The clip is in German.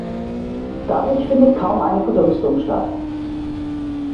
Dadurch findet kaum eine Verdunstung statt.